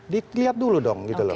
dilihat dulu dong